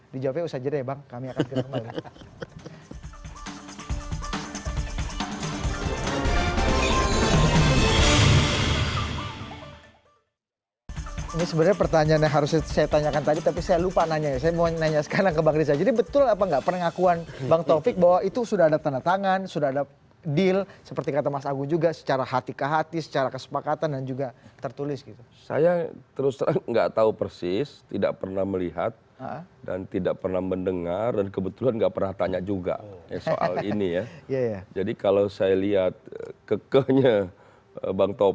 dijawabnya usah jernih ya bang